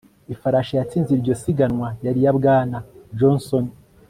Ifarashi yatsinze iryo siganwa yari iya Bwana Johnson